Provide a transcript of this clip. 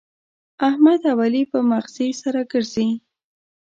احمد او علي په مغزي سره ګرزي.